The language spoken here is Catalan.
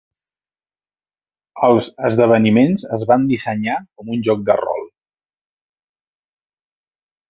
Els esdeveniments es van dissenyar com un joc de rol.